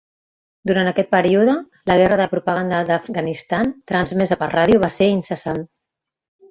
Durant aquest període, la guerra de propaganda d'Afganistan, transmesa per ràdio, va ser incessant.